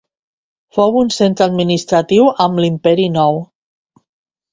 Fou un centre administratiu amb l'Imperi Nou.